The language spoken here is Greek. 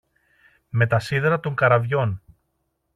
Με τα σίδερα των καραβιών.